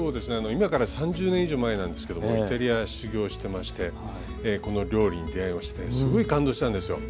今から３０年以上前なんですけどもイタリア修業してましてこの料理に出会いましてすごい感動したんですよ。